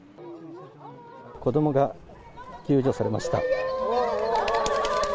子どもが救助されました。